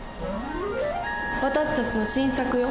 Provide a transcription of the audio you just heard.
私たちの新作よ。